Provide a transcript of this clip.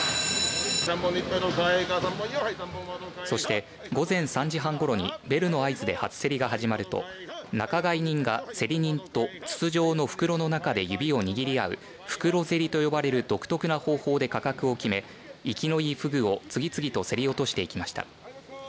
そして午前３時半ごろにベルの合図で初競りが始まると仲買人が、競り人と筒状の袋の中で指を握り合う袋競りと呼ばれる独特な方法で価格を決め、生きのいいフグを次々と競り落としていきました。